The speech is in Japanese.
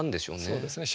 そうですね。